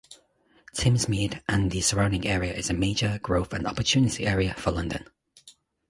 Thamesmead and the surrounding area is a major growth and opportunity area for London.